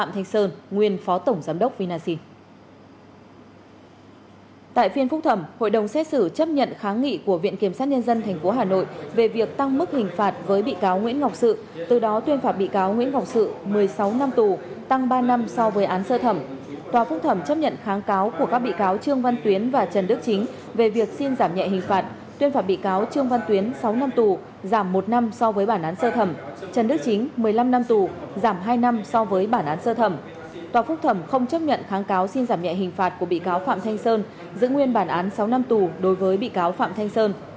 tòa phúc thẩm không chấp nhận kháng cáo xin giảm nhẹ hình phạt của bị cáo phạm thanh sơn giữ nguyên bản án sáu năm tù đối với bị cáo phạm thanh sơn